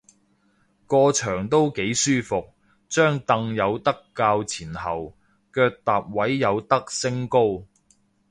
個場都幾舒服，張櫈有得較前後，腳踏位有得升高